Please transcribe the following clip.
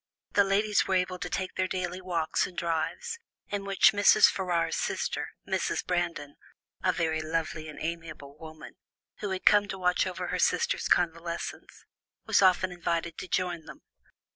The ladies were able to take their daily walks and drives, in which Mrs. Ferrars's sister, Mrs. Brandon, a very lovely and amiable woman, who had come to watch over her sister's convalescence, was often invited to join them.